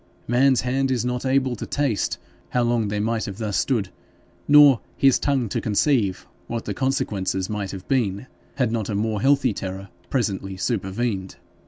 'Man's hand is not able to taste' how long they might have thus stood, nor 'his tongue to conceive' what the consequences might have been, had not a more healthy terror presently supervened.